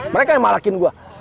mereka yang malakin gue